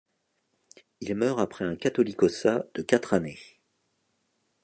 Il meurt après un catholicossat de quatre années.